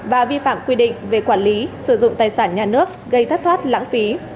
và vi phạm quy định về quản lý sử dụng tài sản nhà nước gây thất thoát lãng phí